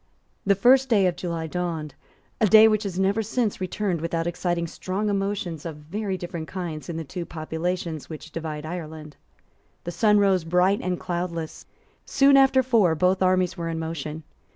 The first of July dawned, a day which has never since returned without exciting strong emotions of very different kinds in the two populations which divide Ireland. The sun rose bright and cloudless. Soon after four both armies were in motion.